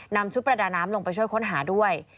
นำชุดประดาน้ำลงไปช่วยค้นหาด้วย